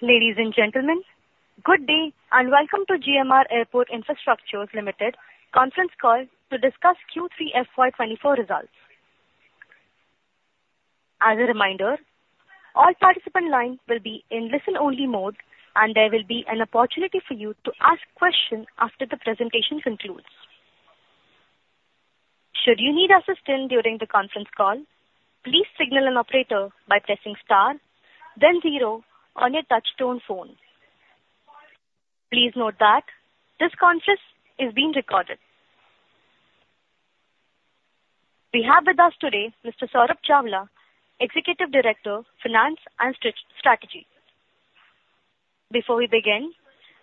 Ladies and gentlemen, good day, and welcome to GMR Airports Infrastructure Limited conference call to discuss Q3 FY 2024 results. As a reminder, all participant lines will be in listen-only mode, and there will be an opportunity for you to ask questions after the presentation concludes. Should you need assistance during the conference call, please signal an operator by pressing star then zero on your touchtone phone. Please note that this conference is being recorded. We have with us today Mr. Saurabh Chawla, Executive Director, Finance and Strategy. Before we begin,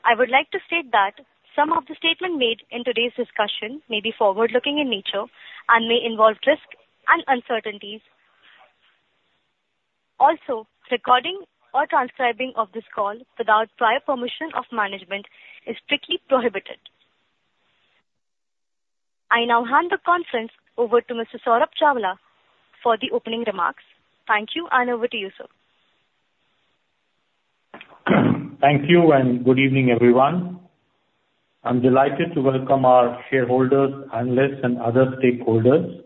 I would like to state that some of the statements made in today's discussion may be forward-looking in nature and may involve risks and uncertainties. Also, recording or transcribing of this call without prior permission of management is strictly prohibited. I now hand the conference over to Mr. Saurabh Chawla for the opening remarks. Thank you, and over to you, sir. Thank you, and good evening, everyone. I'm delighted to welcome our shareholders, analysts, and other stakeholders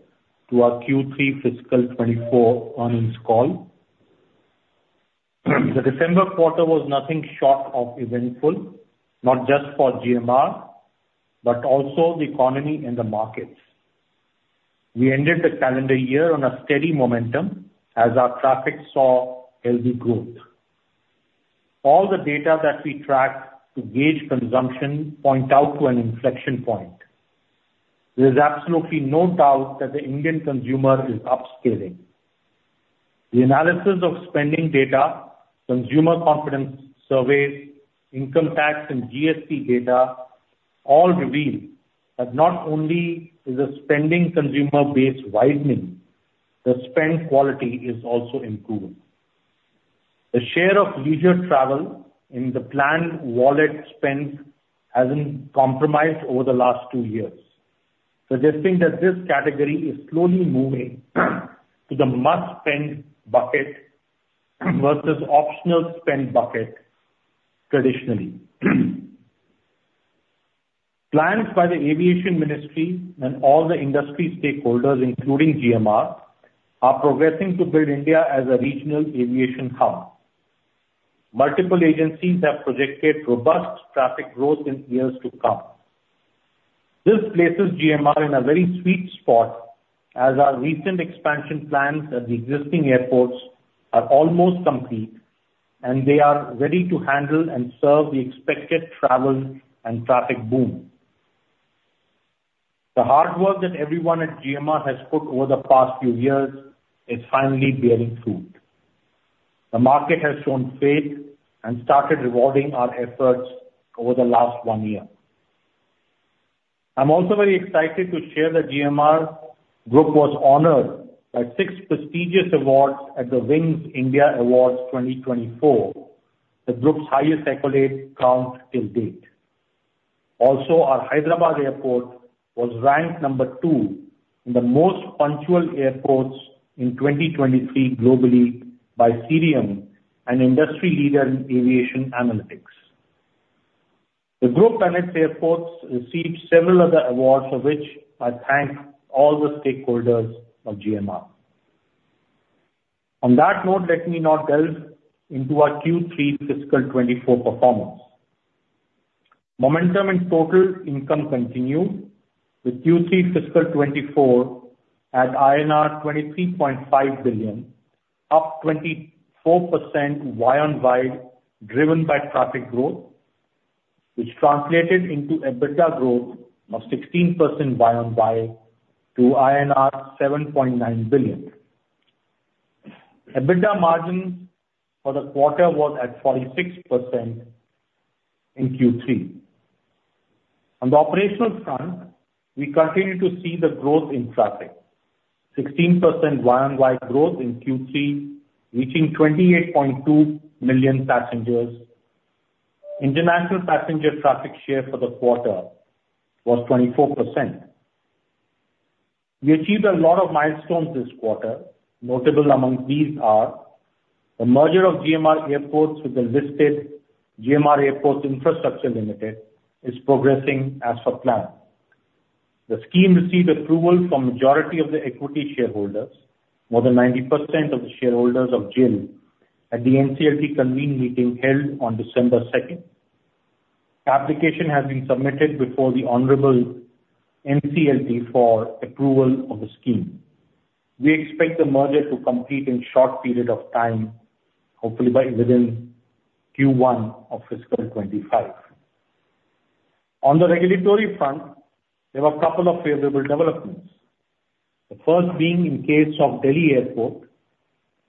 to our Q3 fiscal 2024 earnings call. The December quarter was nothing short of eventful, not just for GMR but also the economy and the markets. We ended the calendar year on a steady momentum as our traffic saw healthy growth. All the data that we tracked to gauge consumption point out to an inflection point. There is absolutely no doubt that the Indian consumer is upscaling. The analysis of spending data, consumer confidence surveys, income tax, and GST data all reveal that not only is the spending consumer base widening, the spend quality is also improving. The share of leisure travel in the planned wallet spend hasn't compromised over the last two years, suggesting that this category is slowly moving to the must-spend bucket versus optional spend bucket traditionally. Plans by the aviation ministry and all the industry stakeholders, including GMR, are progressing to build India as a regional aviation hub. Multiple agencies have projected robust traffic growth in years to come. This places GMR in a very sweet spot, as our recent expansion plans at the existing airports are almost complete, and they are ready to handle and serve the expected travel and traffic boom. The hard work that everyone at GMR has put over the past few years is finally bearing fruit. The market has shown faith and started rewarding our efforts over the last one year. I'm also very excited to share that GMR Group was honored by six prestigious awards at the Wings India Awards 2024, the group's highest accolade count till date. Also, our Hyderabad Airport was ranked number two in the most punctual airports in 2023 globally by Cirium, an industry leader in aviation analytics. The Group and its airports received several other awards, for which I thank all the stakeholders of GMR. On that note, let me now delve into our Q3 fiscal 2024 performance. Momentum in total income continued, with Q3 fiscal 2024 at INR 23.5 billion, up 24% year-on-year, driven by traffic growth, which translated into EBITDA growth of 16% year-on-year to INR 7.9 billion. EBITDA margin for the quarter was at 46% in Q3. On the operational front, we continue to see the growth in traffic. 16% year-on-year growth in Q3, reaching 28.2 million passengers. International passenger traffic share for the quarter was 24%. We achieved a lot of milestones this quarter. Notable among these are the merger of GMR Airports with the listed GMR Airports Infrastructure Limited is progressing as per plan. The scheme received approval from majority of the equity shareholders, more than 90% of the shareholders of GIL at the NCLT convened meeting held on December 2nd. The application has been submitted before the Honorable NCLT for approval of the scheme. We expect the merger to complete in short period of time, hopefully by within Q1 of fiscal 2025. On the regulatory front, there were a couple of favorable developments. The first being in case of Delhi Airport,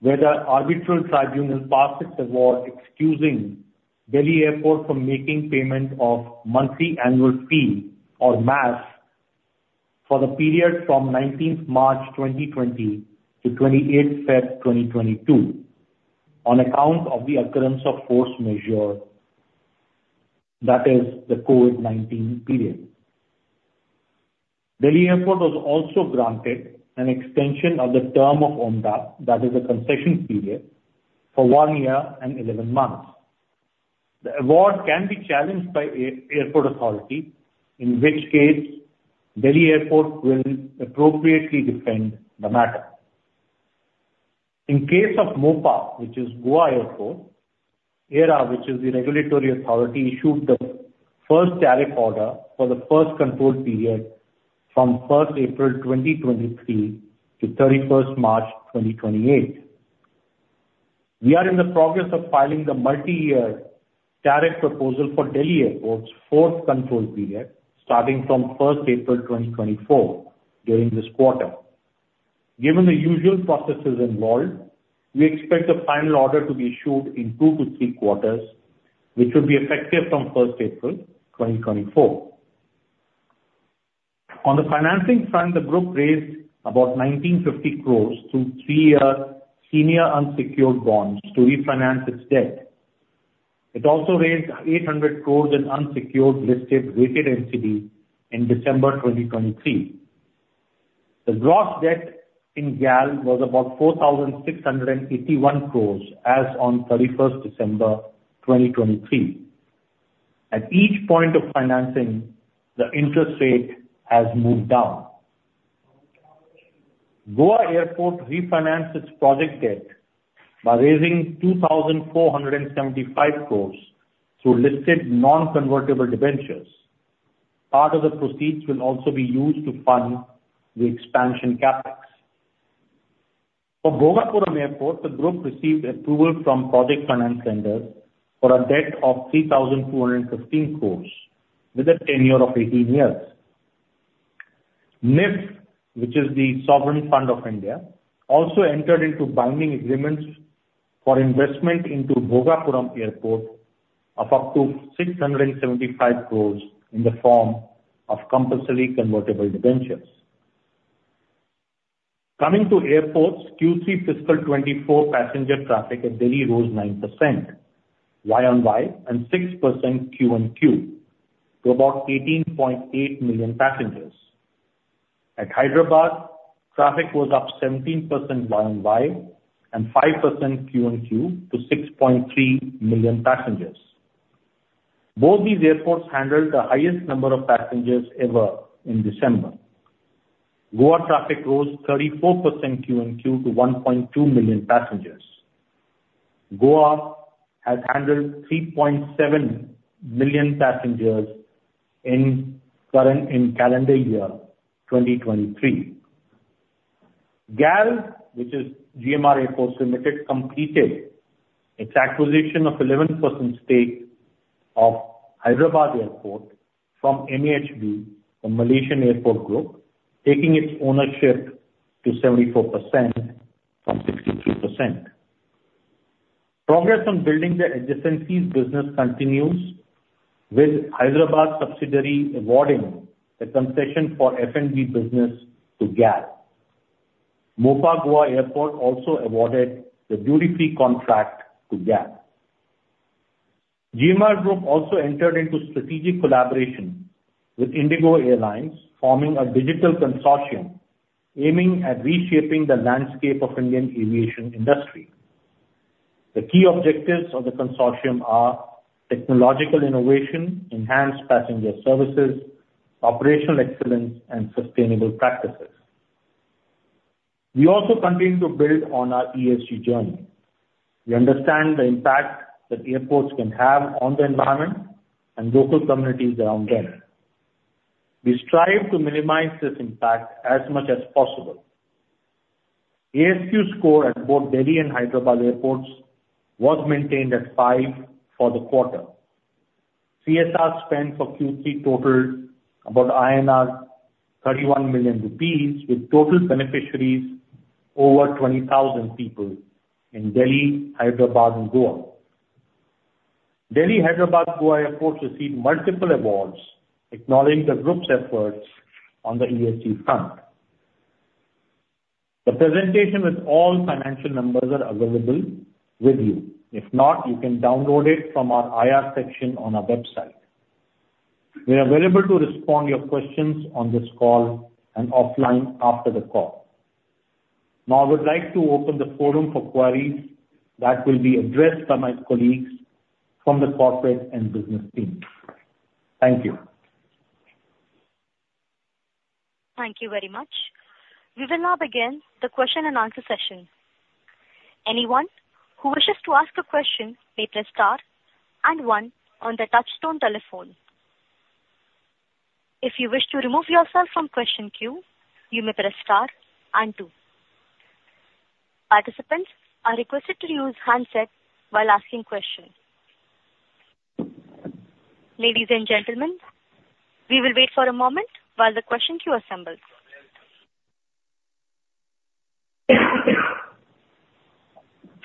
where the Arbitral Tribunal passed its award, excusing Delhi Airport from making payment of Monthly Annual Fee, or MAF, for the period from 19th March 2020 to 28 February 2022 on account of the occurrence of force majeure, that is the COVID-19 period. Delhi Airport was also granted an extension of the term of OMDA, that is the concession period, for 1 year and 11 months. The award can be challenged by Airports Authority, in which case Delhi Airport will appropriately defend the matter. In case of Mopa, which is Goa Airport, AERA, which is the regulatory authority, issued the first tariff order for the first control period from 1 April 2023 to 31 March 2028. We are in the process of filing the multi-year tariff proposal for Delhi Airport's fourth control period, starting from first April 2024, during this quarter. Given the usual processes involved, we expect the final order to be issued in two to three quarters, which will be effective from 1st April 2024. On the financing front, the group raised about 1,950 crore through three-year senior unsecured bonds to refinance its debt. It also raised 800 crore in unsecured, listed, rated NCD in December 2023. The gross debt in GAL was about 4,681 crore as on 31st December 2023. At each point of financing, the interest rate has moved down. Goa Airport refinanced its project debt by raising 2,475 crore through listed non-convertible debentures. Part of the proceeds will also be used to fund the expansion CapEx. For Bhogapuram Airport, the group received approval from project finance lenders for a debt of 3,215 crore with a tenure of 18 years. NIIF, which is the Sovereign Fund of India, also entered into binding agreements for investment into Bhogapuram Airport of up to 675 crore in the form of compulsory convertible debentures. Coming to airports, Q3 fiscal 2024, passenger traffic at Delhi rose 9% YoY and 6% QoQ to about 18.8 million passengers. At Hyderabad, traffic was up 17% YoY and 5% QoQ to 6.3 million passengers. Both these airports handled the highest number of passengers ever in December. Goa traffic rose 34% QoQ to 1.2 million passengers. Goa has handled 3.7 million passengers in current, in calendar year 2023. GAL, which is GMR Airports Limited, completed its acquisition of 11% stake of Hyderabad Airport from MAHB, the Malaysian Airport Group, taking its ownership to 74% from 63%. Progress on building the adjacencies business continues, with Hyderabad subsidiary awarding the concession for F&B business to GAL. Mopa Goa Airport also awarded the duty-free contract to GAL. GMR Group also entered into strategic collaboration with IndiGo Airlines, forming a digital consortium aiming at reshaping the landscape of Indian aviation industry. The key objectives of the consortium are technological innovation, enhanced passenger services, operational excellence and sustainable practices. We also continue to build on our ESG journey. We understand the impact that airports can have on the environment and local communities around them. We strive to minimize this impact as much as possible. ASQ score at both Delhi and Hyderabad airports was maintained at five for the quarter. CSR spend for Q3 totaled about 31 million rupees, with total beneficiaries over 20,000 people in Delhi, Hyderabad and Goa. Delhi, Hyderabad, Goa Airport received multiple awards acknowledging the group's efforts on the ESG front. The presentation with all financial numbers are available with you. If not, you can download it from our IR section on our website. We are available to respond your questions on this call and offline after the call. Now, I would like to open the forum for queries that will be addressed by my colleagues from the corporate and business team. Thank you. Thank you very much. We will now begin the question-and-answer session. Anyone who wishes to ask a question, may press star and one on the touchtone telephone. If you wish to remove yourself from question queue, you may press star and two. Participants are requested to use handset while asking questions. Ladies and gentlemen, we will wait for a moment while the question queue assembles.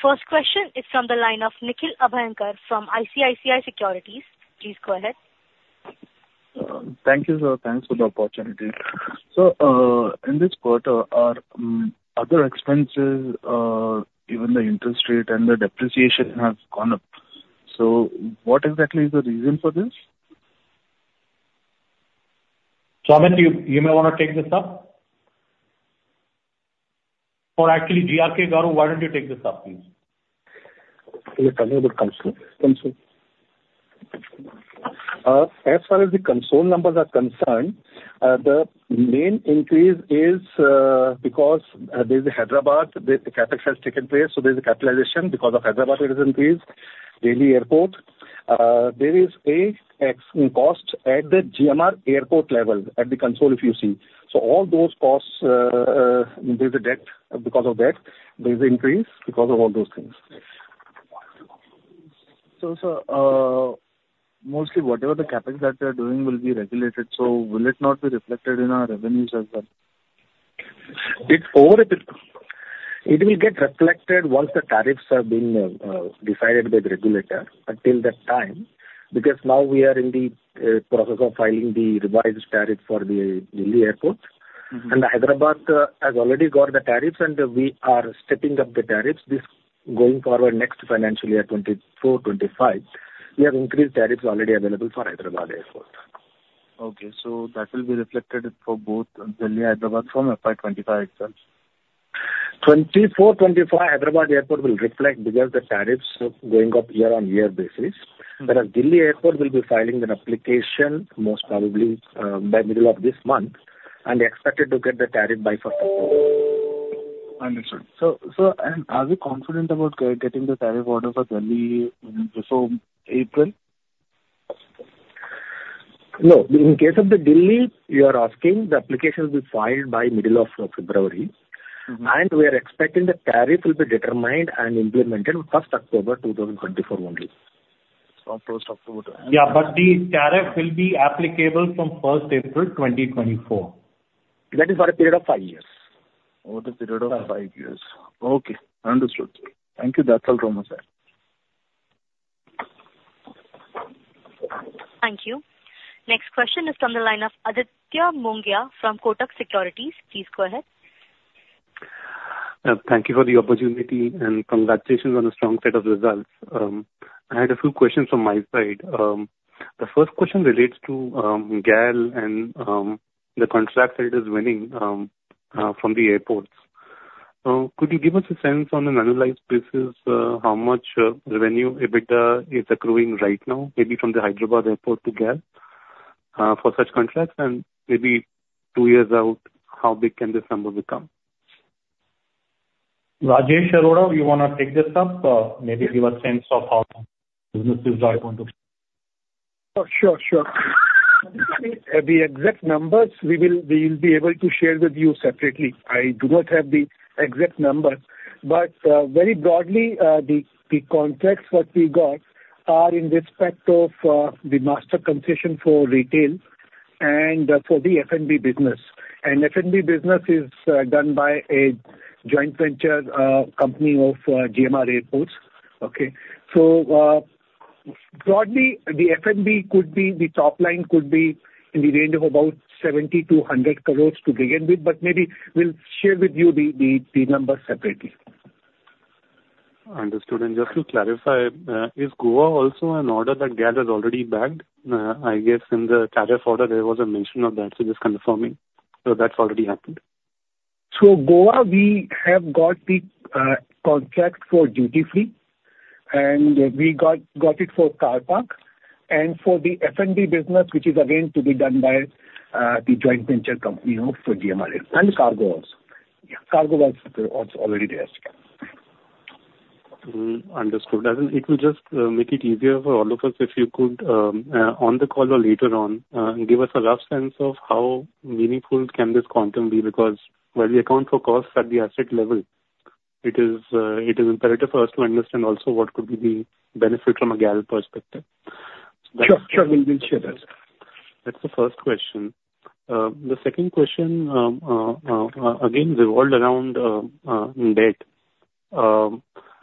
First question is from the line of Nikhil Abhyankar from ICICI Securities. Please go ahead. Thank you, sir. Thanks for the opportunity. So, in this quarter, our other expenses, even the interest rate and the depreciation, have gone up. What exactly is the reason for this? Swamin, you may want to take this up. Or actually, GRK Garu, why don't you take this up, please? You're talking about consol, consol. As far as the consol numbers are concerned, the main increase is because there's at Hyderabad, the CapEx has taken place, so there's a capitalization because of Hyderabad, it has increased. Delhi Airport, there is an OpEx cost at the GMR airport level, at the consol if you see. So all those costs, there's a debt, because of that, there's increase because of all those things. So, mostly whatever the CapEx that they are doing will be regulated, so will it not be reflected in our revenues as well? It will get reflected once the tariffs have been decided by the regulator. But till that time, because now we are in the process of filing the revised tariff for the Delhi Airport. Mm-hmm. Hyderabad has already got the tariffs, and we are stepping up the tariffs this going forward next financial year, 2024, 2025. We have increased tariffs already available for Hyderabad Airport. Okay, so that will be reflected for both Delhi and Hyderabad from FY 2025 itself. 2024, 2025, Hyderabad Airport will reflect because the tariffs are going up year-on-year basis. Mm-hmm. Whereas Delhi Airport will be filing an application most probably, by middle of this month, and expected to get the tariff by first. Understood. So, and are we confident about getting the tariff order for Delhi, so April? No. In case of the Delhi, you are asking, the application will be filed by middle of February. Mm-hmm. We are expecting the tariff will be determined and implemented 1st, October 2024 only. From 1st, October. Yeah, but the tariff will be applicable from 1st April, 2024. That is for a period of five years. Over the period of five years. Okay, understood. Thank you. That's all from myself. Thank you. Next question is from the line of Aditya Mongia from Kotak Securities. Please go ahead. Thank you for the opportunity, and congratulations on a strong set of results. I had a few questions from my side. The first question relates to GAL and the contracts that it is winning from the airports. Could you give us a sense on an annualized basis how much revenue EBITDA is accruing right now, maybe from the Hyderabad airport to GAL for such contracts? And maybe two years out, how big can this number become? Rajesh Arora, you wanna take this up? Maybe give a sense of how businesses are going to... Oh, sure, sure. The exact numbers, we will—we'll be able to share with you separately. I do not have the exact numbers, but very broadly, the contracts what we got are in respect of the master concession for retail and for the F&B business. And F&B business is done by a joint venture company of GMR Airports. Okay? So, broadly, the F&B could be, the top line could be in the range of about 70 crore-100 crore to begin with, but maybe we'll share with you the numbers separately. Understood. And just to clarify, is Goa also an order that GAL has already bagged? I guess in the tariff order, there was a mention of that, so just confirming. So that's already happened. So Goa, we have got the contract for duty-free, and we got it for car park and for the F&B business, which is again to be done by the joint venture company of GMR and cargo also. Yeah, cargo was also already there as well. Understood. I think it will just make it easier for all of us if you could on the call or later on give us a rough sense of how meaningful can this quantum be? Because while we account for costs at the asset level, it is imperative for us to understand also what could be the benefit from a GAL perspective. Sure, sure. We will share that. That's the first question. The second question, again, revolved around debt.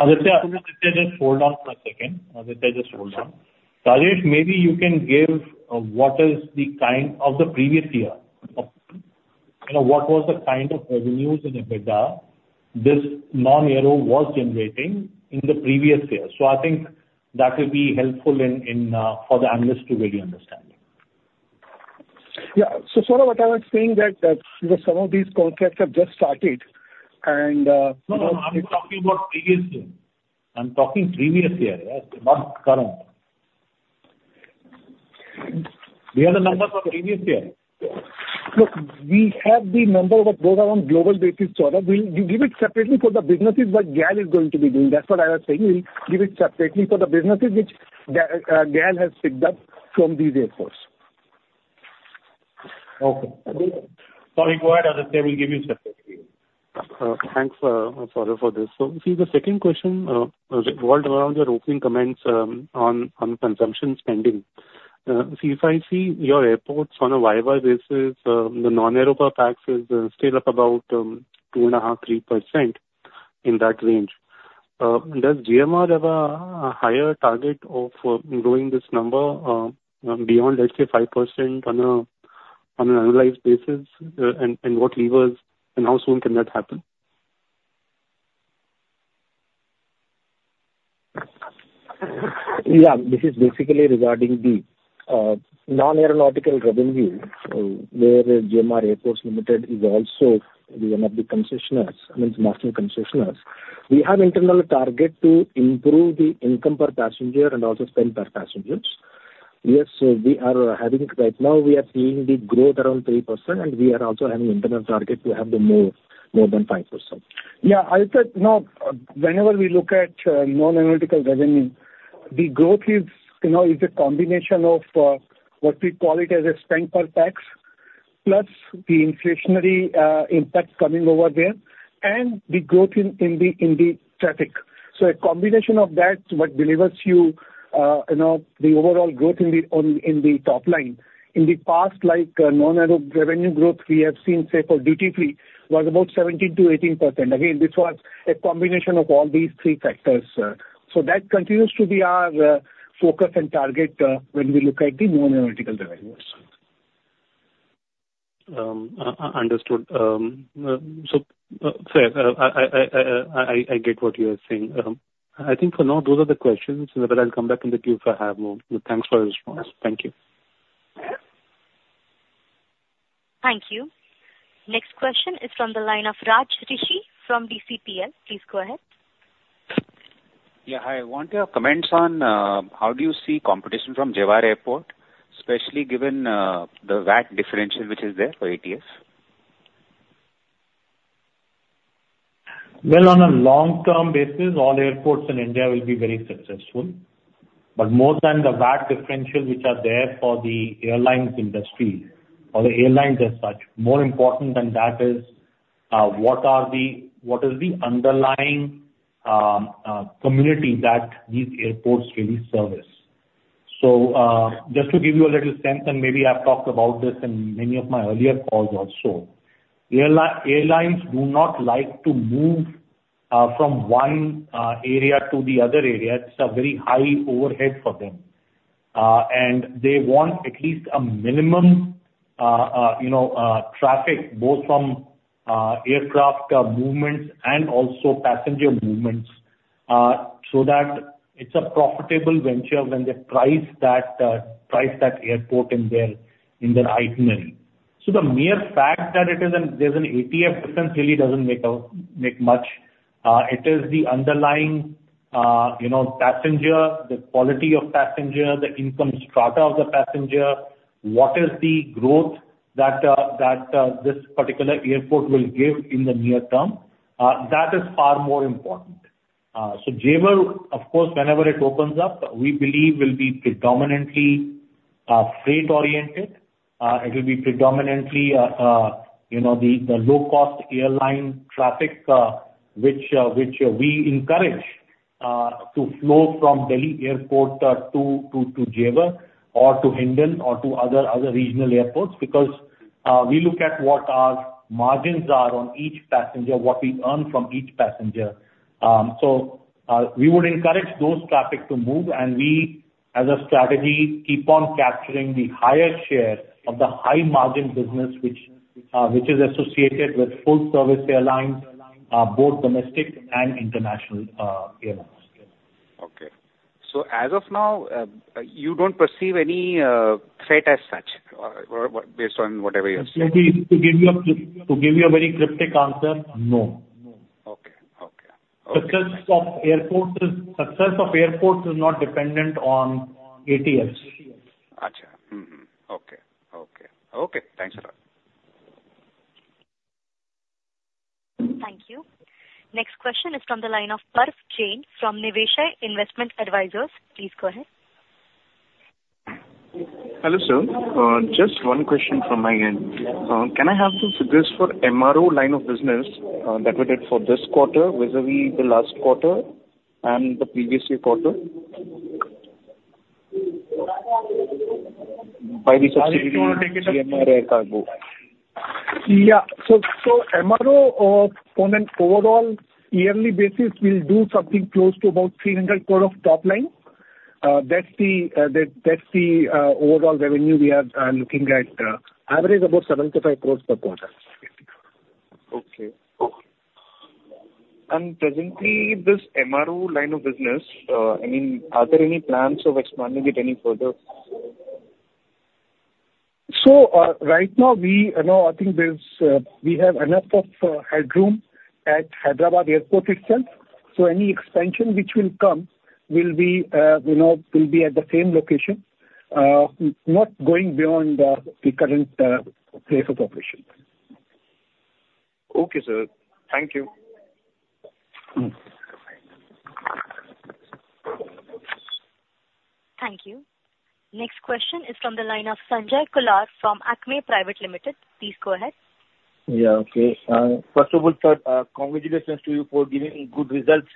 Aditya, Aditya, just hold on for a second. Aditya, just hold on. Rajesh, maybe you can give what is the kind of the previous year, you know, what was the kind of revenues in EBITDA this non-aero was generating in the previous year. I think that will be helpful in for the analysts to really understand. Yeah. So sort of what I was saying that, some of these contracts have just started, and, No, no, I'm talking about previous year. I'm talking previous year, yeah, not current. Do you have the numbers for previous year? Look, we have the number of growth on global basis for that. We'll give it separately for the businesses that GAL is going to be doing. That's what I was saying. We'll give it separately for the businesses which GAL has picked up from these airports. Okay. Sorry, go ahead, Aditya, we'll give you separately. Thanks, sir, for this. So, the second question revolved around your opening comments on consumption spending. See, if I see your airports on a year-on-year basis, the Non-Aero PAT is still up about 2.5%-3%, in that range. Does GMR have a higher target of growing this number beyond, let's say, 5% on an annualized basis? And what levers, and how soon can that happen?... Yeah, this is basically regarding the non-aeronautical revenue, where GMR Airports Limited is also one of the concessionaires, I mean, master concessionaires. We have internal target to improve the income per passenger and also spend per passengers. Yes, so we are having, right now, we are seeing the growth around 3%, and we are also having internal target to have the more, more than 5%. Yeah, I said, you know, whenever we look at non-aeronautical revenue, the growth is, you know, is a combination of what we call it as a spend per pax, plus the inflationary impact coming over there, and the growth in, in the, in the traffic. So a combination of that is what delivers you, you know, the overall growth in the, on, in the top line. In the past, like non-aero revenue growth, we have seen, say, for duty-free, was about 17%-18%. Again, this was a combination of all these three factors, so that continues to be our focus and target when we look at the non-aeronautical revenues. Understood. So, fair, I get what you are saying. I think for now, those are the questions, but I'll come back in the queue if I have more. Thanks for your response. Thank you. Thank you. Next question is from the line of Raj Rishi from DCPL. Please go ahead. Yeah, hi. I want your comments on how do you see competition from Jewar Airport, especially given the VAT differential which is there for ATF? Well, on a long-term basis, all airports in India will be very successful, but more than the VAT differential which are there for the airlines industry or the airlines as such, more important than that is what is the underlying community that these airports really service? So, just to give you a little sense, and maybe I've talked about this in many of my earlier calls also, airlines do not like to move from one area to the other area. It's a very high overhead for them, and they want at least a minimum, you know, traffic both from aircraft movements and also passenger movements, so that it's a profitable venture when they price that airport in their itinerary. So the mere fact that it is an ATF difference really doesn't make a, make much. It is the underlying, you know, passenger, the quality of passenger, the income strata of the passenger, what is the growth that this particular airport will give in the near term, that is far more important. So Jewar, of course, whenever it opens up, we believe will be predominantly freight oriented. It will be predominantly, you know, the low-cost airline traffic, which we encourage to flow from Delhi Airport to Jewar, or to Hindon, or to other regional airports because we look at what our margins are on each passenger, what we earn from each passenger. We would encourage those traffic to move, and we, as a strategy, keep on capturing the higher share of the high margin business which is associated with full service airlines, both domestic and international, airlines. Okay. So as of now, you don't perceive any threat as such, or based on whatever you're seeing? To give you a very cryptic answer, no. Okay. Okay. Success of airports is not dependent on ATF. Gotcha. Mm-hmm. Okay. Okay. Okay, thanks a lot. Thank you. Next question is from the line of Parv Jain from Nivesh Investment Advisors. Please go ahead. Hello, sir. Just one question from my end. Can I have some figures for MRO line of business, that we did for this quarter vis-à-vis the last quarter and the previous quarter? By the subsidiary, GMR Cargo. So, MRO, on an overall yearly basis, will do something close to about 300 crore of top line. That's the overall revenue we are looking at, average about 75 crore per quarter. Okay. And presently, this MRO line of business, I mean, are there any plans of expanding it any further? So, right now, we, you know, I think there's, we have enough of headroom at Hyderabad Airport itself, so any expansion which will come will be, you know, will be at the same location, not going beyond the current place of operation. Okay, sir. Thank you. Mm. Thank you. Next question is from the line of Sanjay Kumar from Acme Private Limited. Please go ahead. Yeah, okay. First of all, sir, congratulations to you for giving good results.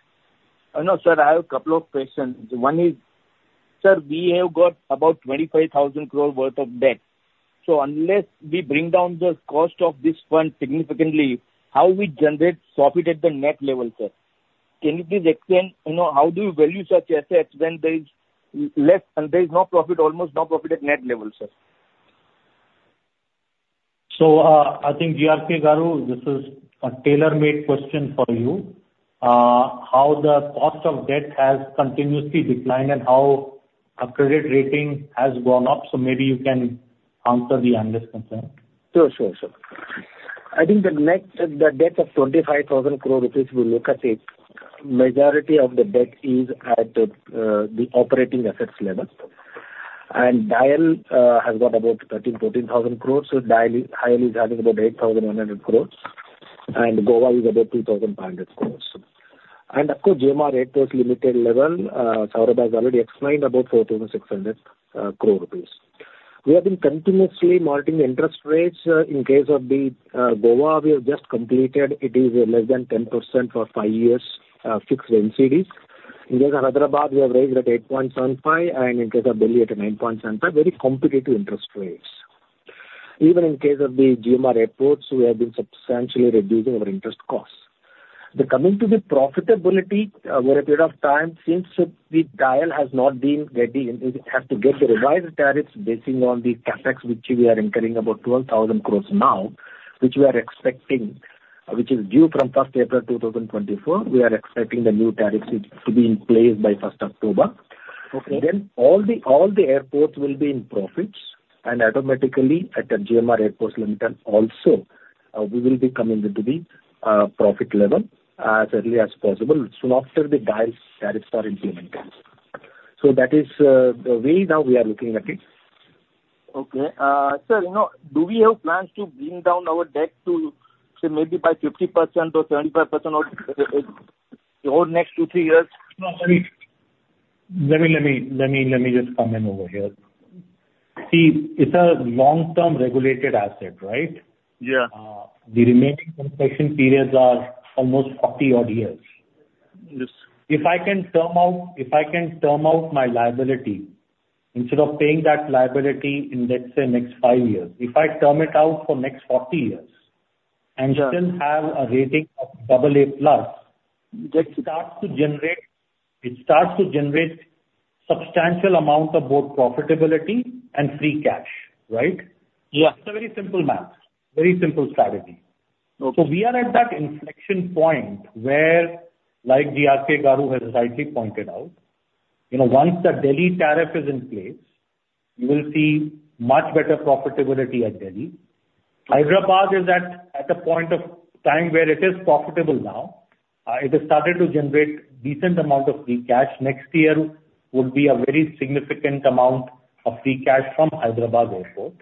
Now, sir, I have a couple of questions. One is, sir, we have got about 25,000 crore worth of debt, so unless we bring down the cost of this fund significantly, how we generate profit at the net level, sir? Can you please explain, you know, how do you value such assets when there is less and there is no profit, almost no profit at net level, sir? So, I think GRK Garu, this is a tailor-made question for you. How the cost of debt has continuously declined and how our credit rating has gone up. So maybe you can answer the analyst concern. Sure, sure, sure. I think the next, the debt of 25,000 crore rupees, we look at it, majority of the debt is at the operating assets level. And DIAL has got about 13,000-14,000 crore. So DIAL, DIAL is having about 8,100 crore, and Goa is about 2,500 crore. And of course, GMR Airports Limited level, Saurabh has already explained about 4,600 crore rupees. We have been continuously monitoring the interest rates. In case of the Goa, we have just completed, it is less than 10% for five years fixed NCDs. In case of Hyderabad, we have raised it at 8.75%, and in case of Delhi, at a 9.75%. Very competitive interest rates. Even in case of the GMR airports, we have been substantially reducing our interest costs. Coming to the profitability, over a period of time, since the DIAL has not been getting, it has to get the revised tariffs based on the CapEx, which we are incurring about 12,000 crore now, which we are expecting, which is due from 1st, April 2024. We are expecting the new tariffs to be in place by first October. Okay. Then all the airports will be in profits, and automatically at the GMR Airports Limited also, we will be coming into the profit level as early as possible, soon after the DIAL's tariffs are implemented. So that is the way now we are looking at it. Okay, sir, you know, do we have plans to bring down our debt to, say, maybe by 50% or 35% over the next two, three years? No, let me just come in over here. See, it's a long-term regulated asset, right? Yeah. The remaining construction periods are almost 40-odd years. Yes. If I can term out, if I can term out my liability, instead of paying that liability in, let's say, next 5 years, if I term it out for next 40 years- Sure. and still have a rating of double A plus, it starts to generate, it starts to generate substantial amount of both profitability and free cash, right? Yeah. It's a very simple math, very simple strategy. Okay. So we are at that inflection point where, like GRK Garu has rightly pointed out, you know, once the Delhi tariff is in place, you will see much better profitability at Delhi. Hyderabad is at a point of time where it is profitable now. It has started to generate decent amount of free cash. Next year will be a very significant amount of free cash from Hyderabad Airport.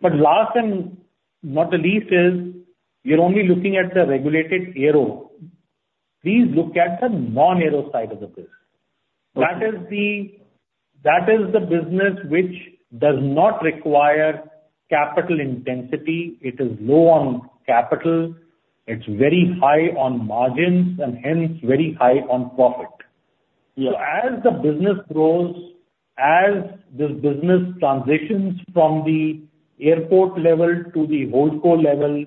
But last and not the least, is you're only looking at the regulated aero. Please look at the non-aero side of the business. Okay. That is the business which does not require capital intensity. It is low on capital, it's very high on margins, and hence very high on profit. Yeah. As the business grows, as this business transitions from the airport level to the holdco level,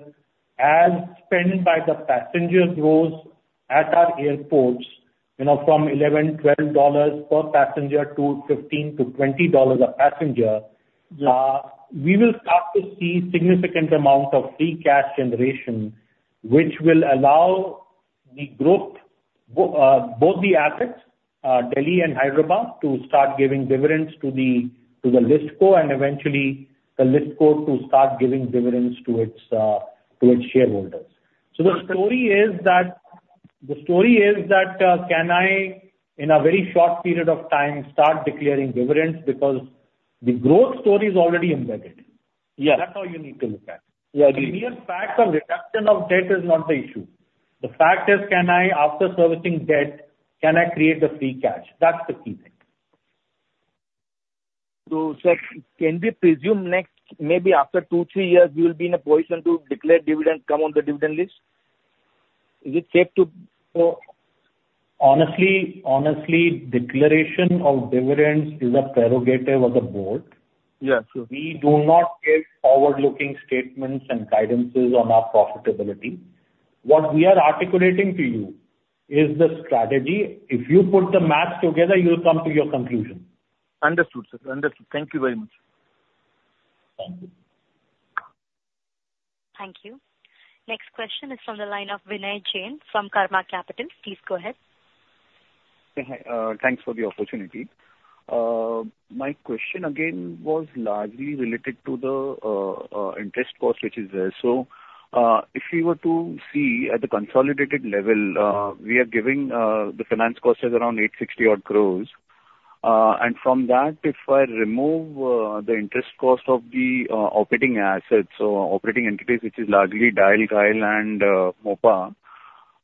as spend by the passengers grows at our airports, you know, from $11-$12 per passenger to $15-$20 a passenger- Yeah. We will start to see significant amount of free cash generation, which will allow the growth, both the assets, Delhi and Hyderabad, to start giving dividends to the, to the listco and eventually the listco to start giving dividends to its, to its shareholders. So the story is that, the story is that, can I, in a very short period of time, start declaring dividends? Because the growth story is already embedded. Yeah. That's all you need to look at. Yeah, I agree. The mere fact of reduction of debt is not the issue. The fact is, can I, after servicing debt, can I create the free cash? That's the key thing. So, sir, can we presume next, maybe after two, three years, you will be in a position to declare dividend, come on the dividend list? Is it safe to... Honestly, honestly, declaration of dividends is a prerogative of the board. Yeah, sure. We do not give forward-looking statements and guidances on our profitability. What we are articulating to you is the strategy. If you put the math together, you'll come to your conclusion. Understood, sir. Understood. Thank you very much. Thank you. Thank you. Next question is from the line of Vinay Jain from Karma Capital. Please go ahead. Thanks for the opportunity. My question again was largely related to the interest cost, which is there. If we were to see at the consolidated level, we are giving the finance cost is around 860 odd crores. From that, if I remove the interest cost of the operating assets or operating entities, which is largely DIAL, GHIAL, and Mopa,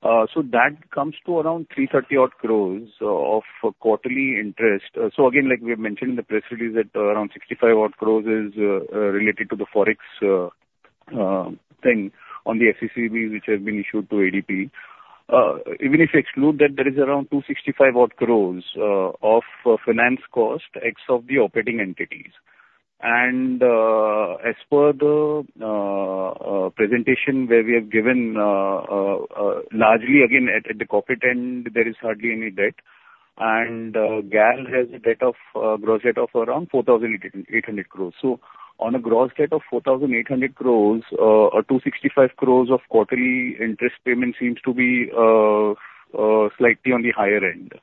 that comes to around 330 odd crores of quarterly interest. Again, like we have mentioned in the press release, around 65 odd crores is related to the Forex thing on the FCCB, which has been issued to ADP. Even if you exclude that, there is around 265 odd crores of finance cost, ex of the operating entities. As per the presentation where we have given largely again, at the corporate end, there is hardly any debt.... And, GAL has a debt of gross debt of around 4,800 crore. So on a gross debt of 4,800 crore, a 265 crore of quarterly interest payment seems to be slightly on the higher end.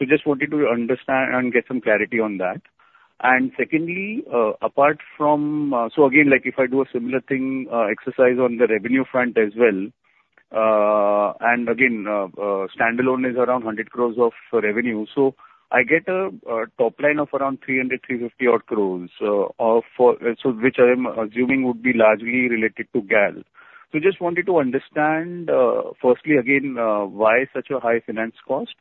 So just wanted to understand and get some clarity on that. And secondly, apart from, so again, like if I do a similar thing exercise on the revenue front as well, and again, standalone is around 100 crore of revenue. So I get a top line of around 300-350 crore, so which I am assuming would be largely related to GAL. So just wanted to understand, firstly again, why such a high finance cost?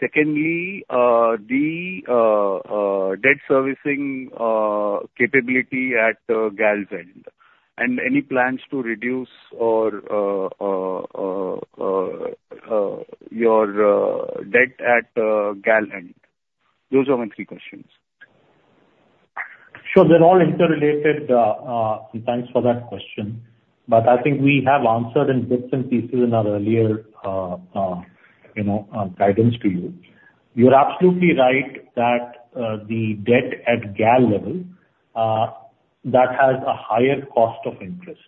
Secondly, the debt servicing capability at GAL's end, and any plans to reduce or your debt at GAL end. Those are my three questions. Sure, they're all interrelated. Thanks for that question, but I think we have answered in bits and pieces in our earlier, you know, guidance to you. You're absolutely right that, the debt at GAL level, that has a higher cost of interest.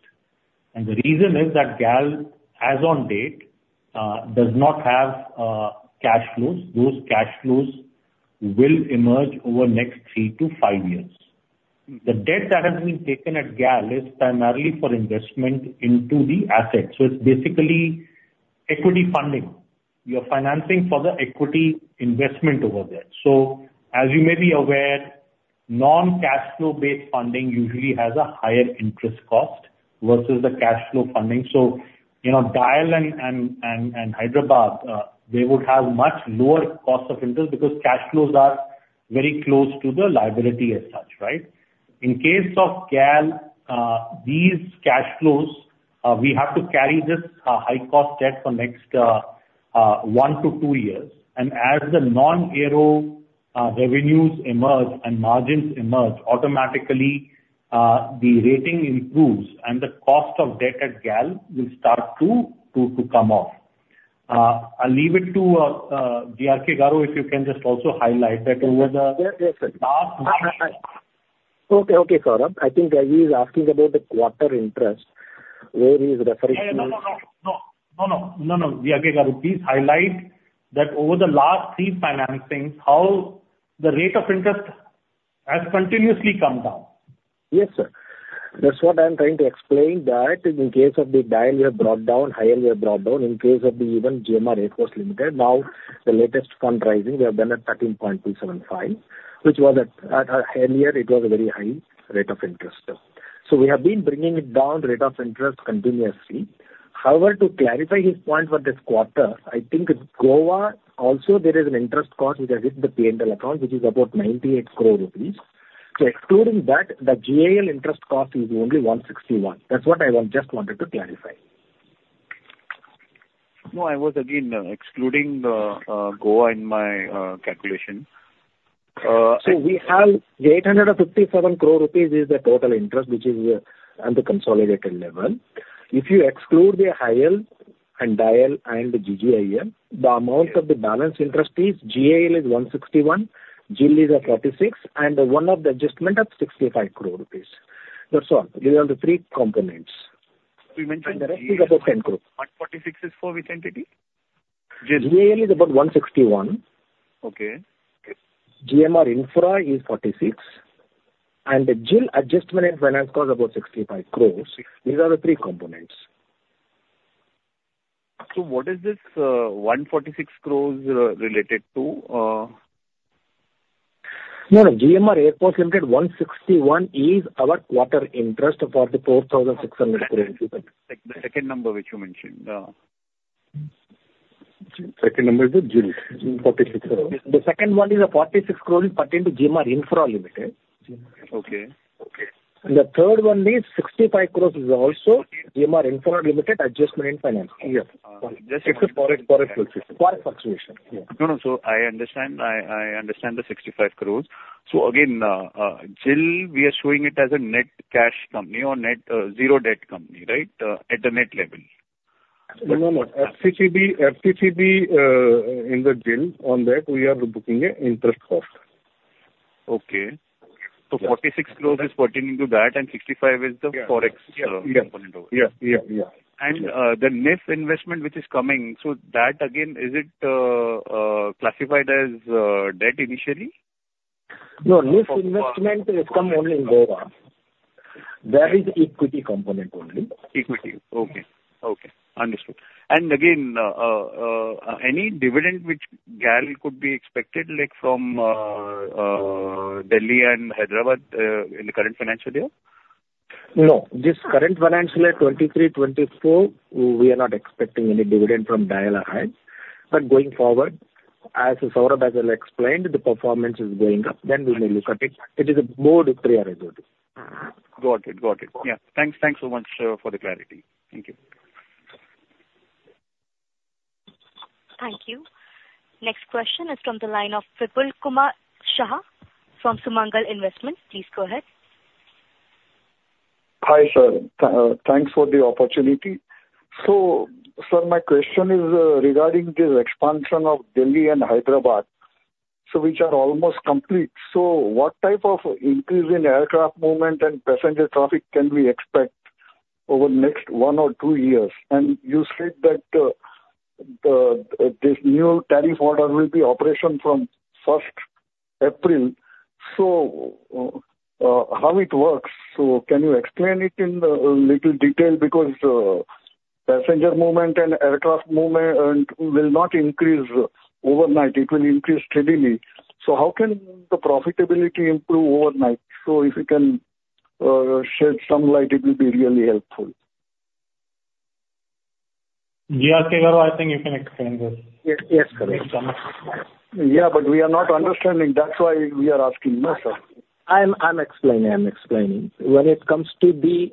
The reason is that GAL, as on date, does not have, cash flows. Those cash flows will emerge over next three to five years. The debt that has been taken at GAL is primarily for investment into the assets. So it's basically equity funding. You're financing for the equity investment over there. As you may be aware, non-cash flow-based funding usually has a higher interest cost versus the cash flow funding. So, you know, DIAL and Hyderabad, they would have much lower cost of interest because cash flows are very close to the liability as such, right? In case of GAL, these cash flows, we have to carry this, high-cost debt for next, one to two years. And as the non-aero, revenues emerge and margins emerge, automatically, the rating improves, and the cost of debt at GAL will start to come off. I'll leave it to, GRK Garu, if you can just also highlight that over the last Yes, yes, sir. Okay, okay, Saurabh. I think he is asking about the quarter interest, where he's referring to- Yeah, no, no, no. No. No, no. No, no, GRK Garu, please highlight that over the last three financings, how the rate of interest has continuously come down. Yes, sir. That's what I'm trying to explain, that in case of the DIAL, we have brought down, higher we have brought down. In case of even GMR Airports Limited, now the latest fund raising we have done at 13.275, which was at, at, earlier it was a very high rate of interest. So we have been bringing it down, the rate of interest, continuously. However, to clarify his point for this quarter, I think Goa also there is an interest cost which has hit the P&L account, which is about 98 crore rupees. So excluding that, the GAL interest cost is only 161. That's what I want, just wanted to clarify. No, I was again excluding Goa in my calculation. So we have 857 crore rupees is the total interest, which is at the consolidated level. If you exclude the GHIAL and DIAL and GGIAL, the amount of the balance interest is GAL is 161, GIL is 46, and one of the adjustment of 65 crore rupees. That's all. These are the three components. You mentioned- The rest is about 10 crore. What 46 is for which entity? GIL. GIAL is about 161. Okay. GMR Infra is 46, and the GIL adjustment and finance cost about 65 crores. These are the three components. So what is this, 146 crore, related to...? No, no. GMR Airports Limited, 161 is our quarter interest for the 4,600 crore. The second number which you mentioned, second number is GIL, INR 46 crores. The second one is a 46 crore pertaining to GMR Infra Limited. Okay. Okay. The third one is 65 crore, is also GMR Infrastructure Limited adjustment in finance. Yes. It's a forex, forex, forex fluctuation. Yeah. No, no, so I understand the 65 crore. So again, GIL, we are showing it as a net cash company or net zero debt company, right? At the net level. No, no, FCCB, in the GIL on that we are booking an interest cost. Okay. Yeah. 46 crore is pertaining to that, and 65 is the- Yeah. - forex component. Yeah. Yeah, yeah. The NIIF investment which is coming, so that again, is it classified as debt initially? No, NIIF investment has come only in Goa. That is equity component only. Equity. Okay. Okay, understood. And again, any dividend which GAL could be expected, like from, Delhi and Hyderabad, in the current financial year? No, this current financial year, 2023-2024, we are not expecting any dividend from DIAL or GHIAL. But going forward, as Saurabh has explained, the performance is going up, then we may look at it. It is a board prerogative. Got it, got it. Yeah. Thanks. Thanks so much for the clarity. Thank you. Thank you. Next question is from the line of Vipul Kumar Shah from Sumangal Investments. Please go ahead.... Hi, sir. Thanks for the opportunity. So sir, my question is, regarding this expansion of Delhi and Hyderabad, so which are almost complete. So what type of increase in aircraft movement and passenger traffic can we expect over the next one or two years? And you said that this new tariff order will be operational from first April, so how it works? So can you explain it in little detail? Because passenger movement and aircraft movement will not increase overnight. It will increase steadily. So how can the profitability improve overnight? So if you can shed some light, it will be really helpful. Yeah, K Garav, I think you can explain this. Yes, yes, correct. Thanks so much. Yeah, but we are not understanding. That's why we are asking you, sir. I'm explaining. When it comes to the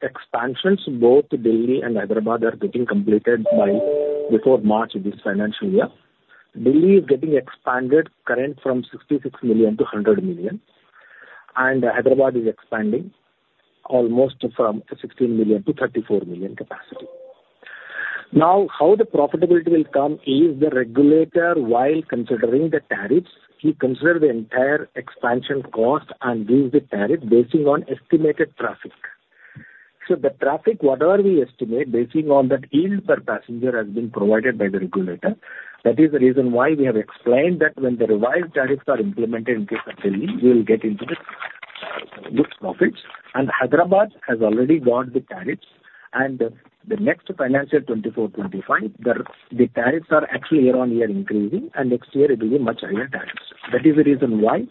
expansions, both Delhi and Hyderabad are getting completed by before March of this financial year. Delhi is getting expanded current from 66 million to 100 million, and Hyderabad is expanding almost from 16 million to 34 million capacity. Now, how the profitability will come is the regulator, while considering the tariffs, he consider the entire expansion cost and gives the tariff based on estimated traffic. So the traffic, whatever we estimate, basing on that yield per passenger, has been provided by the regulator. That is the reason why we have explained that when the revised tariffs are implemented in case of Delhi, we will get into the good profits. Hyderabad has already got the tariffs and the next financial year, 2024-2025, the tariffs are actually year-on-year increasing, and next year it will be much higher tariffs. That is the reason why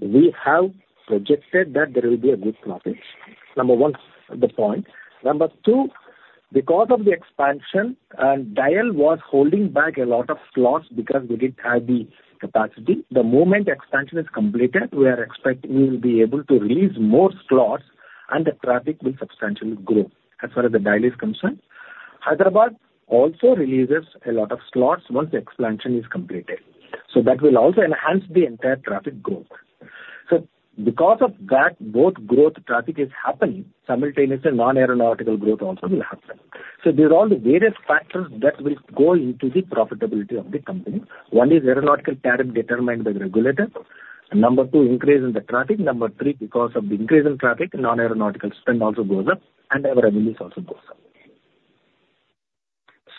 we have projected that there will be a good profit. Number one, the point. Number two, because of the expansion, DIAL was holding back a lot of slots because we didn't have the capacity. The moment expansion is completed, we are expecting we will be able to release more slots and the traffic will substantially grow. As far as the DIAL is concerned, Hyderabad also releases a lot of slots once the expansion is completed, so that will also enhance the entire traffic growth. So because of that, both growth traffic is happening simultaneously, non-aeronautical growth also will happen. These are all the various factors that will go into the profitability of the company. One is aeronautical tariff determined by the regulator. Number two, increase in the traffic. Number three, because of the increase in traffic, non-aeronautical spend also goes up and our revenues also goes up.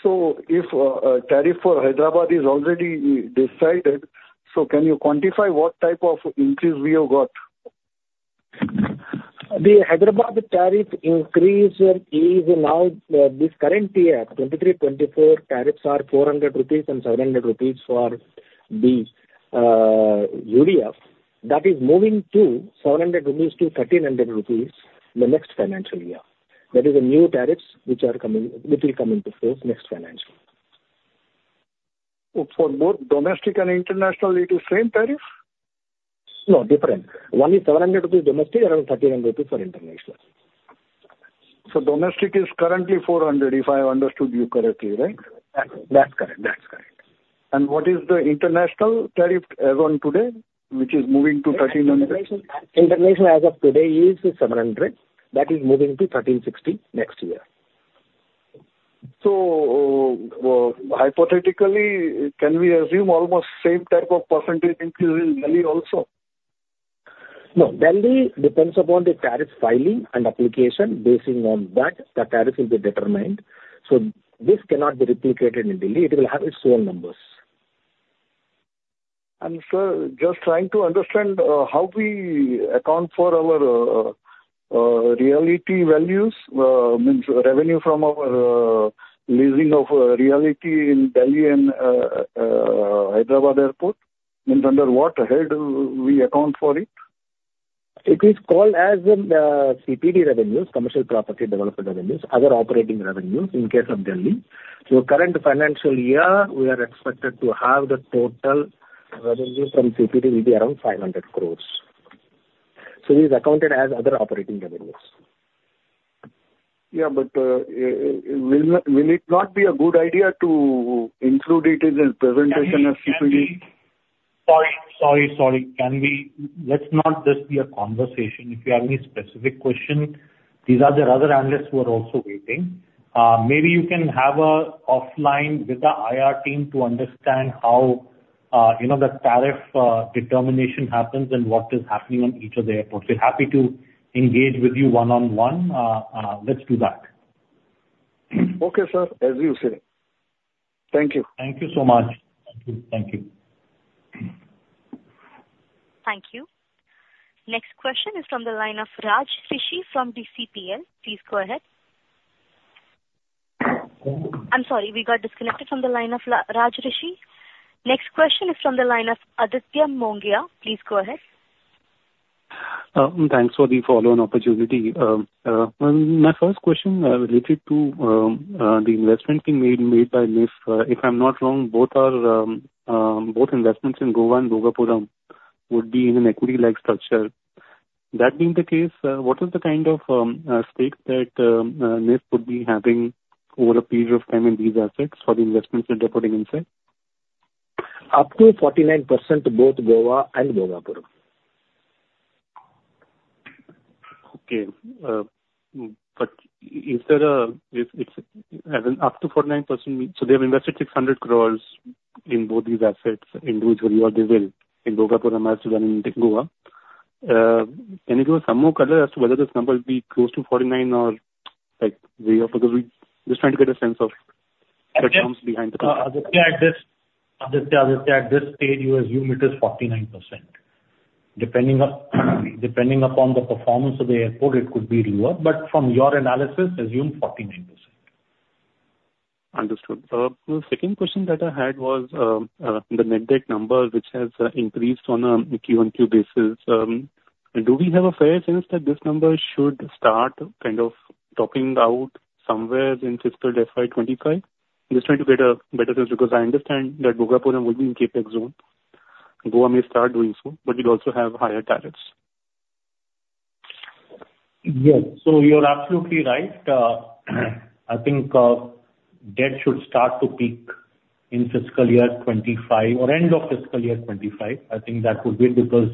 So if tariff for Hyderabad is already decided, so can you quantify what type of increase we have got? The Hyderabad tariff increase is now this current year, 2023-24 tariffs are 400 rupees and 700 rupees for the UDF. That is moving to 700-1,300 rupees in the next financial year. That is the new tariffs which are coming, which will come into force next financial year. For both domestic and international, it is same tariff? No, different. One is 700 rupees domestic and 1,300 rupees for international. So domestic is currently 400, if I understood you correctly, right? That's correct. That's correct. What is the international tariff as on today, which is moving to 1,300? International as of today is 700. That is moving to 1,360 next year. Hypothetically, can we assume almost same type of percentage increase in Delhi also? No. Delhi depends upon the tariff filing and application. Basing on that, the tariff will be determined, so this cannot be replicated in Delhi. It will have its own numbers. Sir, just trying to understand how we account for our realty values, means revenue from our leasing of realty in Delhi and Hyderabad Airport, means under what head we account for it? It is called as CPD revenues, commercial property development revenues, other operating revenues in case of Delhi. So current financial year, we are expected to have the total revenues from CPD will be around 500 crore. So it is accounted as other operating revenues. Yeah, but, will it not be a good idea to include it in the presentation of CPD? Sorry, sorry, sorry. Can we... Let's not this be a conversation. If you have any specific question, these are the other analysts who are also waiting. Maybe you can have an offline with the IR team to understand how, you know, the tariff determination happens and what is happening on each of the airports. We're happy to engage with you one-on-one. Let's do that. Okay, sir. As you say. Thank you. Thank you so much. Thank you. Thank you. Thank you. Next question is from the line of Raj Rishi from DCPL. Please go ahead. I'm sorry, we got disconnected from the line of Raj Rishi. Next question is from the line of Aditya Mongia. Please go ahead. Thanks for the follow-on opportunity. My first question related to the investment being made by NIIF. If I'm not wrong, both investments in Goa and Bhogapuram would be in an equity-like structure. That being the case, what is the kind of stake that NIIF would be having over a period of time in these assets for the investments that they're putting inside? ... up to 49%, both Goa and Bhogapuram. Okay. But is there a, if it's, as in up to 49%, so they have invested 600 crore in both these assets individually, or they will in Bhogapuram as well as in Goa. Can you give us some more color as to whether this number will be close to 49 or, like, way off? Because we're just trying to get a sense of the terms behind the- Aditya, at this stage, you assume it is 49%. Depending upon the performance of the airport, it could be lower, but from your analysis, assume 49%. Understood. The second question that I had was, the net debt number, which has increased on a Q on Q basis. Do we have a fair sense that this number should start kind of topping out somewhere in fiscal FY 2025? I'm just trying to get a better sense, because I understand that Bhogapuram will be in CapEx zone. Goa may start doing so, but we also have higher tariffs. Yes. So you're absolutely right. I think, debt should start to peak in fiscal year 2025 or end of fiscal year 2025. I think that would be because,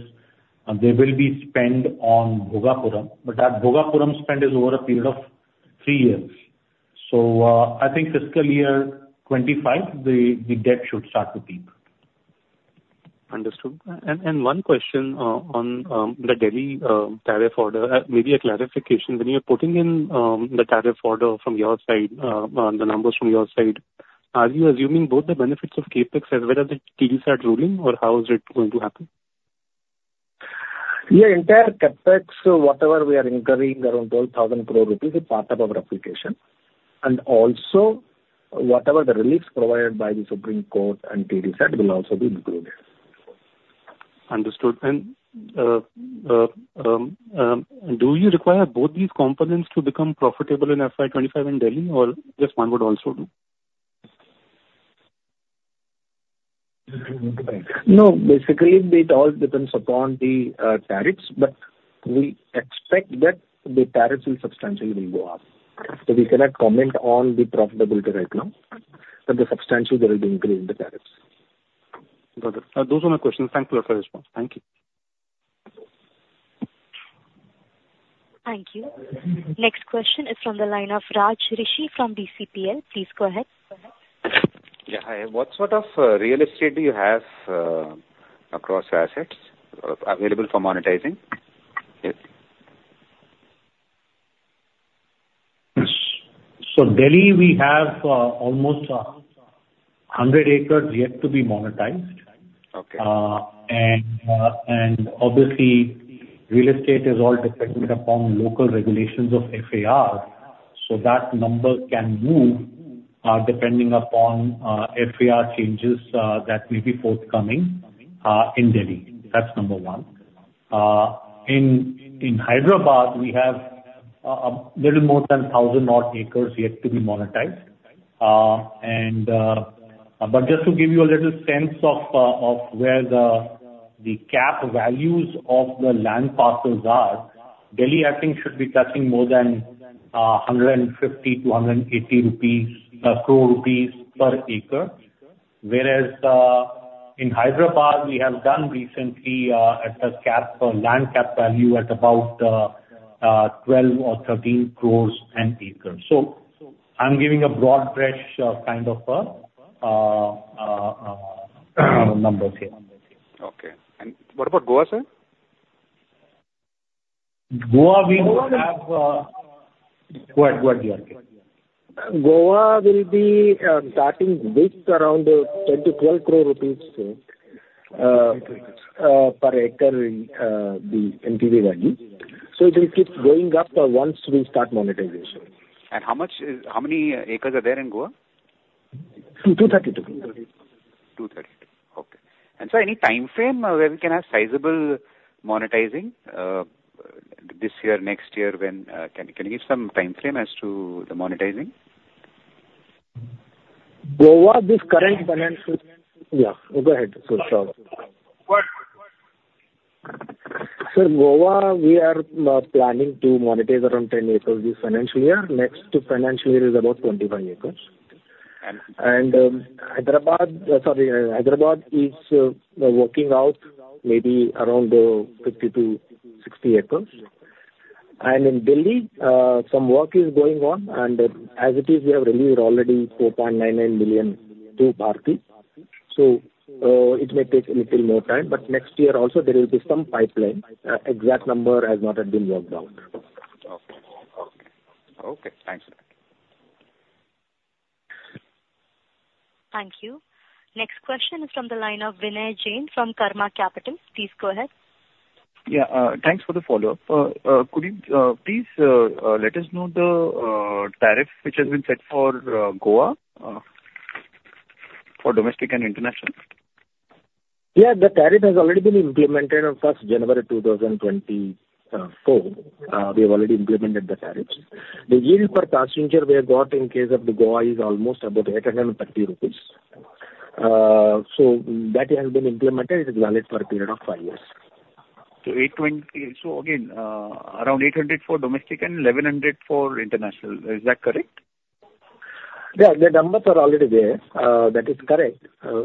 there will be spend on Bhogapuram, but that Bhogapuram spend is over a period of three years. So, I think fiscal year 2025, the debt should start to peak. Understood. And one question on the Delhi tariff order. Maybe a clarification. When you're putting in the tariff order from your side, the numbers from your side, are you assuming both the benefits of CapEx as well as the TDSAT ruling, or how is it going to happen? Yeah, entire CapEx, whatever we are incurring around 12,000 crore rupees is part of our application, and also whatever the relief provided by the Supreme Court and TDSAT will also be included. Understood. Do you require both these components to become profitable in FY 25 in Delhi, or just one would also do? No, basically, it all depends upon the tariffs, but we expect that the tariffs will substantially go up. So we cannot comment on the profitability right now, but the substantially there will be increase in the tariffs. Got it. Those are my questions. Thank you for your response. Thank you. Thank you. Next question is from the line of Raj Rishi from DCPL. Please go ahead. Yeah, hi. What sort of real estate do you have across assets available for monetizing? Delhi, we have almost 100 acres yet to be monetized. Okay. And obviously, real estate is all dependent upon local regulations of FAR, so that number can move depending upon FAR changes that may be forthcoming in Delhi. That's number one. In Hyderabad, we have little more than 1,000 odd acres yet to be monetized. But just to give you a little sense of where the cap values of the land parcels are, Delhi, I think, should be touching more than 150-180 crore rupees per acre. Whereas, in Hyderabad, we have done recently at a cap land cap value at about 12 or 13 crore an acre. So I'm giving a broad brush kind of numbers here. Okay. And what about Goa, sir? Goa, we have. Go ahead, go ahead, yeah. Goa will be starting with around 10-12 crore rupees per acre in the NPV value. So it will keep going up once we start monetization. How much, how many acres are there in Goa? 232 232, okay. So any timeframe where we can have sizable monetizing this year, next year, when can you give some timeframe as to the monetizing? Goa, this current financial... Yeah, go ahead. Sorry. What? Sir, Goa, we are planning to monetize around 10 acres this financial year. Next financial year is about 25 acres. And... Hyderabad, sorry, Hyderabad is working out maybe around 50-60 acres. And in Delhi, some work is going on, and as it is, we have released already 4.99 billion to Bharti. So, it may take a little more time, but next year also there will be some pipeline. Exact number has not yet been worked out. Okay. Okay. Okay, thanks. Thank you. Next question is from the line of Vinay Jain from Karma Capital. Please go ahead. Yeah, thanks for the follow-up. Could you please let us know the tariff which has been set for Goa for domestic and international? Yeah, the tariff has already been implemented on first January 2024. We have already implemented the tariffs. The yield per passenger we have got in case of the Goa is almost about 830 rupees. So that has been implemented. It is valid for a period of five years.... So 820, so again, around 800 for domestic and 1,100 for international. Is that correct? Yeah, the numbers are already there. That is correct.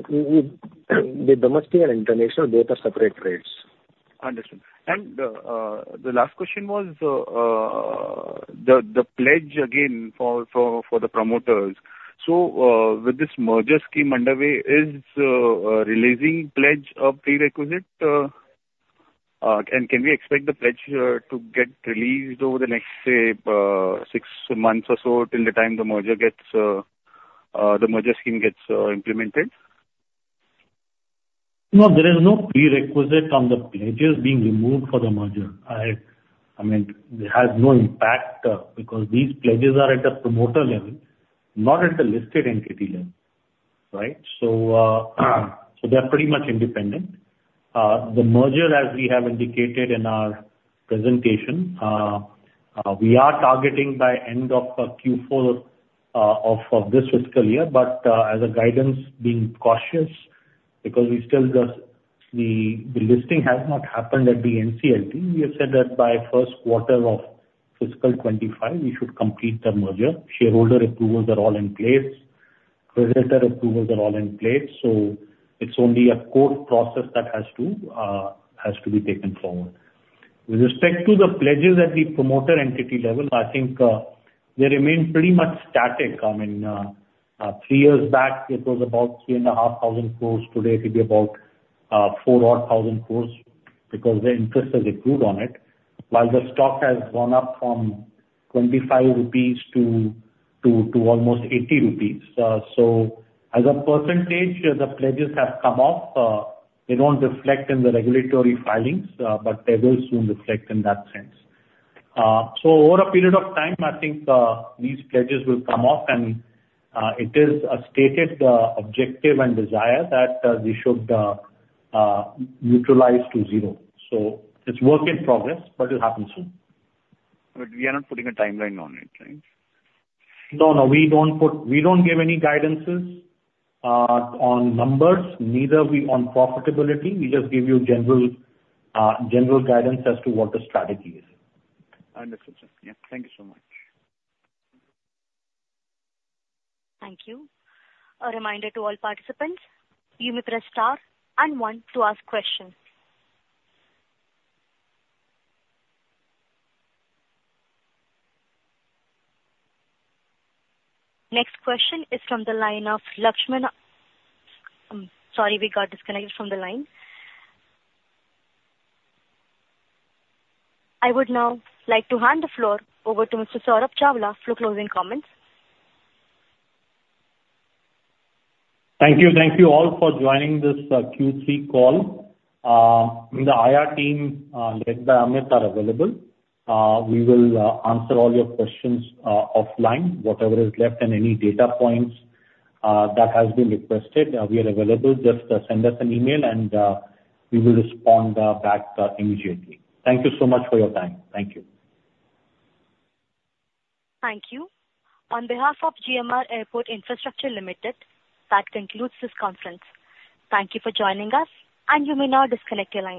With the domestic and international, they are separate rates. Understood. And, the last question was, the pledge again, for the promoters. So, with this merger scheme underway, is releasing pledge a prerequisite, and can we expect the pledge to get released over the next, say, six months or so, till the time the merger scheme gets implemented? No, there is no prerequisite on the pledges being removed for the merger. I mean, it has no impact, because these pledges are at a promoter level, not at the listed entity level, right? So, they're pretty much independent. The merger, as we have indicated in our presentation, we are targeting by end of Q4 of this fiscal year. As a guidance, being cautious because we still just the listing has not happened at the NCLT. We have said that by first quarter of fiscal 2025, we should complete the merger. Shareholder approvals are all in place. Creditor approvals are all in place, so it's only a court process that has to be taken forward. With respect to the pledges at the promoter entity level, I think, they remain pretty much static. I mean, three years back, it was about 3,500 crore. Today, it will be about 4,000 crore because the interest has improved on it. While the stock has gone up from 25 rupees to almost 80 rupees. So as a percentage, the pledges have come off. They don't reflect in the regulatory filings, but they will soon reflect in that sense. So over a period of time, I think, these pledges will come off and it is a stated objective and desire that we should neutralize to zero. So it's work in progress, but it'll happen soon. But we are not putting a timeline on it, right? No, no, we don't put... we don't give any guidances on numbers, neither we on profitability. We just give you general, general guidance as to what the strategy is. Understood, sir. Yeah. Thank you so much. Thank you. A reminder to all participants, you may press star and one to ask questions. Next question is from the line of Lakshman. Sorry, we got disconnected from the line. I would now like to hand the floor over to Mr. Saurabh Chawla for closing comments. Thank you. Thank you all for joining this Q3 call. The IR team, led by Amit, are available. We will answer all your questions offline, whatever is left, and any data points that has been requested. We are available. Just send us an email and we will respond back immediately. Thank you so much for your time. Thank you. Thank you. On behalf of GMR Airports Infrastructure Limited, that concludes this conference. Thank you for joining us, and you may now disconnect your lines.